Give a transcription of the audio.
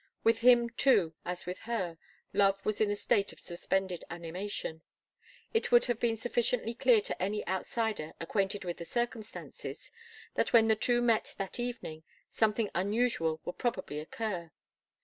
With him, too, as with her, love was in a state of suspended animation. It would have been sufficiently clear to any outsider acquainted with the circumstances that when the two met that evening, something unusual would probably occur.